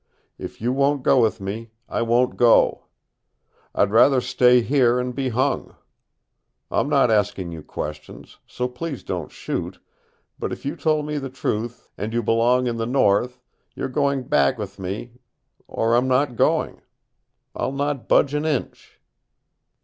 If you won't go with me, I won't go. I'd rather stay here and be hung. I'm not asking you questions, so please don't shoot, but if you told me the truth, and you belong in the North, you're going back with me or I'm not going. I'll not budge an inch."